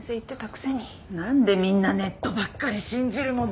なんでみんなネットばっかり信じるのだ！